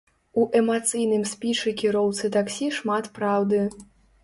У эмацыйным спічы кіроўцы таксі шмат праўды.